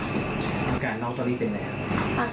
อันดับที่สุดท้าย